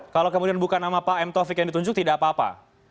kalau kemudian bukan mtovic yang ditunjuk tidak apa apa